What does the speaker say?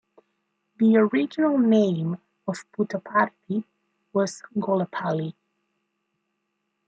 The original name of Puttaparthi was Gollapalli.